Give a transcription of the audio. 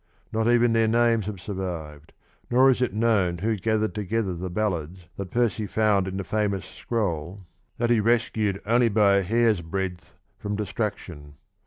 Not even their names have survived, nor is it known who gathered together the ballads that Percy found in the famous scroll that he rescued only by a hairsbreadth from destruction.